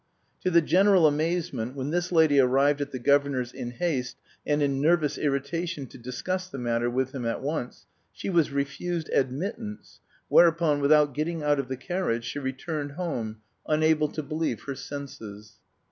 To the general amazement, when this lady arrived at the governor's in haste and in nervous irritation to discuss the matter with him at once, she was refused admittance, whereupon, without getting out of the carriage, she returned home, unable to believe her senses.